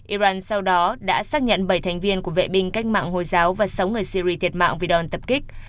iran sau đó đã xác nhận bảy thành viên của vệ binh cách mạng hồi giáo và sáu người syri thiệt mạng vì đòn tập kích